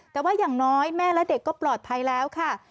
แต่ว่าอย่างน้อยแม่และเด็กก็ปลอดภัยแล้วค่ะ